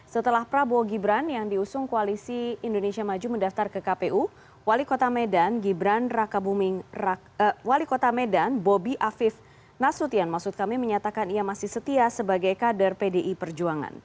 setelah prabowo gibran yang diusung koalisi indonesia maju mendaftar ke kpu wali kota medan bobi afif nasution menyatakan ia masih setia sebagai keadar pd perjuangan